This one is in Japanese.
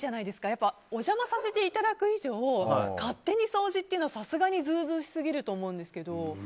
やっぱりお邪魔させていただく以上勝手に掃除っていうのはさすがに図々しすぎると思うんですけど。